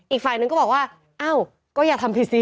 อีกฝ่ายนึงก็บอกว่าเอ้าก็อย่าทำผิดสิ